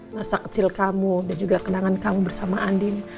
masa kecil kamu dan juga kenangan kamu bersama andin